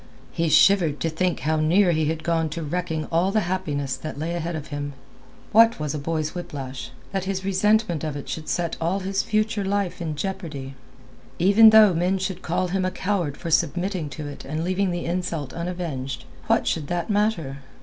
He shivered to think how near he had gone to wrecking all the happiness that lay ahead of him. What was a boy's whiplash, that his resentment of it; should set all his future life in jeopardy? Even though men should call him a coward for submitting to it and leaving the insult unavenged, what should that matter?